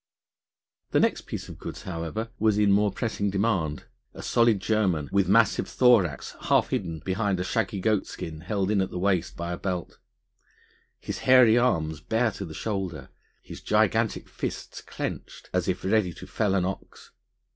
The next piece of goods however was in more pressing demand; a solid German, with massive thorax half hidden beneath a shaggy goatskin held in at the waist by a belt; his hairy arms bare to the shoulder, his gigantic fists clenched as if ready to fell an ox.